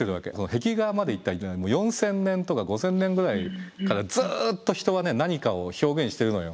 壁画までいったら４，０００年とか５，０００年ぐらいずっと人は何かを表現してるのよ。